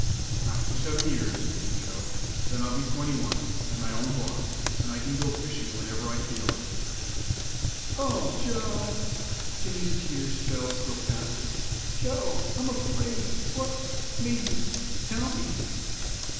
"Not for seven years," answered Joe; "then I'll be twenty one, an' my own boss, and I can go fishing whenever I feel like it." "O Joe!" Jennie's tears fell still faster. "Joe! I'm afraid what made you tell me?"